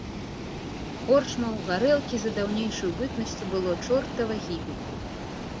Корчмаў, гарэлкі за даўнейшую бытнасцю было чортава гібель.